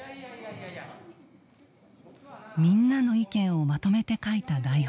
みんなの意見をまとめて書いた台本。